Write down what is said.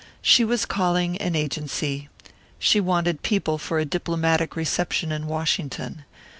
She was calling an agency. She wanted people for a diplomatic reception in Washington.